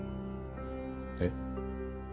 えっ？